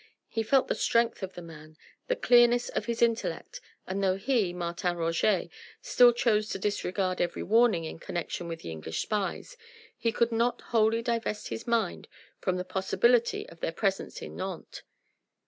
He felt the strength of the man the clearness of his intellect, and though he Martin Roget still chose to disregard every warning in connexion with the English spies, he could not wholly divest his mind from the possibility of their presence in Nantes.